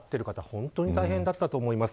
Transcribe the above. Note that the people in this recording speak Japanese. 本当に大変だったと思います。